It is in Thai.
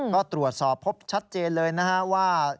ก็ตรวจสอบพบชัดเจนเลยนะฮะว่า